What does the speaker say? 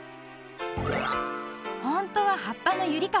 ほんとははっぱのゆりかご。